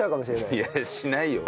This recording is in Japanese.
いやしないよ。